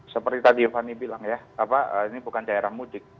seperti tadi fani bilang ya ini bukan daerah mudik